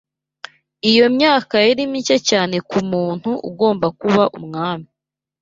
Iyo myaka yari mike cyane ku muntu ugomba kuba umwami